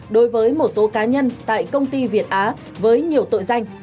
đối với một số cá nhân tại công ty việt á với nhiều tội danh